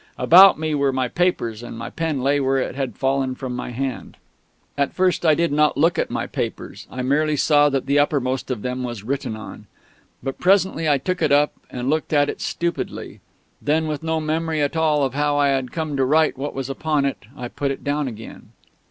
About me were my papers, and my pen lay where it had fallen from my hand. At first I did not look at my papers. I merely saw that the uppermost of them was written on. But presently I took it up, and looked at it stupidly. Then, with no memory at all of how I had come to write what was upon it, I put it down again.